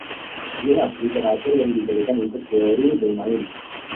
Lihat literatur yang diberikan untuk teori domain.